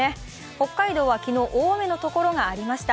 北海道は昨日、大雨のところがありました。